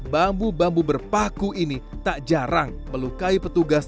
bambu bambu berpaku ini tak jarang melukai petugas